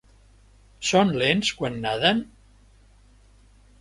Són lents quan naden?